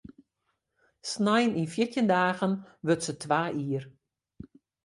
Snein yn fjirtjin dagen wurdt se twa jier.